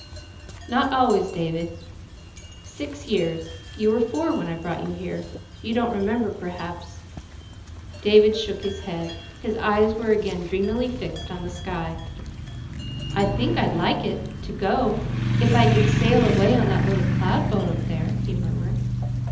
"Not always, David; six years. You were four when I brought you here. You don't remember, perhaps." David shook his head. His eyes were again dreamily fixed on the sky. "I think I'd like it to go if I could sail away on that little cloud boat up there," he murmured.